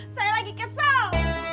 saya lagi kesel